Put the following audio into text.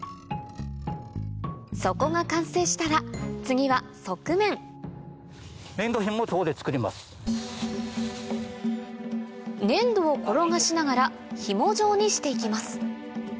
底が完成したら次は側面粘土を転がしながらひも状にして行きます